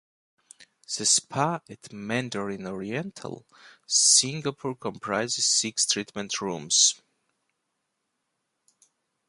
The Spa at Mandarin Oriental, Singapore comprises six treatment rooms.